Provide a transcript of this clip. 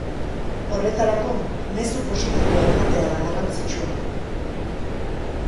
Horretarako, mezu positiboa ematea da garrantzitsua.